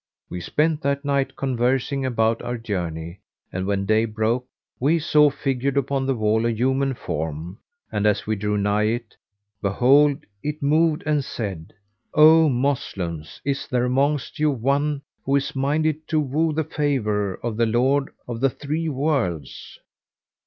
We spent that night conversing about our journey and when day broke, we saw figured upon the wall a human form and as we drew nigh it, behold, it moved and said, 'O Moslems, is there amongst you one who is minded to woo the favour of the Lord of the three Worlds?'